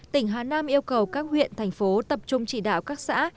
tỉnh hà nam yêu cầu các huyện thành phố tập trung chỉ đạo các xã